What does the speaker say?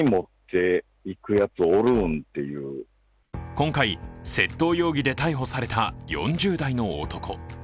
今回、窃盗容疑で逮捕された４０代の男。